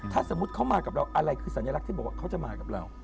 ถ้าสมมุติเขามากับเราอะไรคือสัญลักษณ์ที่บอกว่าเขาจะมากับเรา